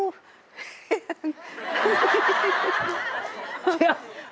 เดี๋ยว